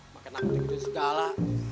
makanya nanggut gitu segala